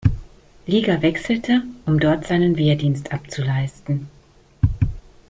Liga wechselte, um dort seinen Wehrdienst abzuleisten.